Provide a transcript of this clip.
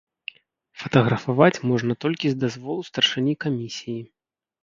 Фатаграфаваць можна толькі з дазволу старшыні камісіі.